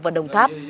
và đồng tháp